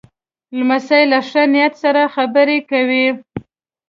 لمسی له ښه نیت سره خبرې کوي.